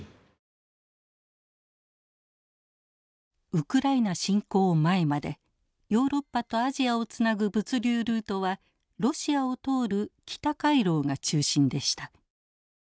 ウクライナ侵攻前までヨーロッパとアジアをつなぐ物流ルートはロシアを通る北回廊が中心でした。